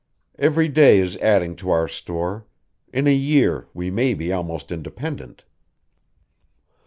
Every day is adding to our store; in a year we may be almost independent."